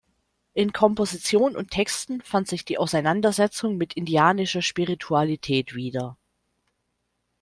In Komposition und Texten fand sich die Auseinandersetzung mit indianischer Spiritualität wieder.